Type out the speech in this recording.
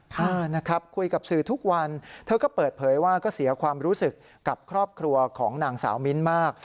เออนะครับคุยกับสื่อทุกวันเธอก็เปิดเผยว่าก็เสียความรู้สึกกับครอบครัวของนางสาวมิ้นมาก